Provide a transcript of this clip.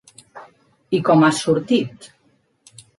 I com has sortit?